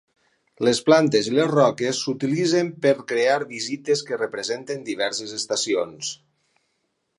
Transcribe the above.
Les plantes i les roques s'utilitzen per crear vistes que representen diverses estacions.